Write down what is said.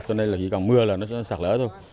cho nên là khi càng mưa là nó sẽ sạt lở thôi